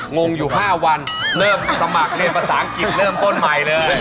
งงอยู่๕วันเริ่มสมัครเรียนภาษาอังกฤษเริ่มต้นใหม่เลย